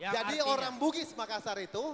jadi orang bugis makassar itu